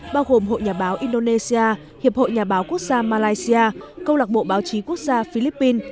bao gồm hội nhà báo indonesia hiệp hội nhà báo quốc gia malaysia công lạc bộ báo chí quốc gia philippines